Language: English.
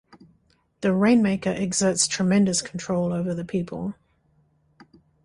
The rain-maker exerts tremendous control over the people.